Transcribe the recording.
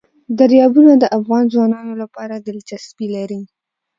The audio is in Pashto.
دریابونه د افغان ځوانانو لپاره دلچسپي لري.